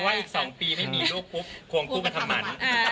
ไม่ว่าอีก๒ปีไม่มีลูกควรคู่กับทำมัน